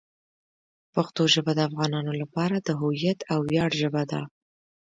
پښتو ژبه د افغانانو لپاره د هویت او ویاړ ژبه ده.